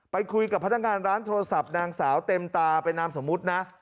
ไปคุยกับพนักงานร้านโทรศัพท์นางสาวเต็มตาเป็นนามสมมุตินะ